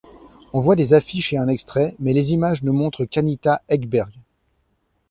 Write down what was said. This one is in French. On voit des affiches et un extrait, mais les images ne montrent qu'Anita Ekberg.